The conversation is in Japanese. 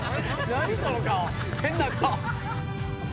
何⁉その顔変な顔。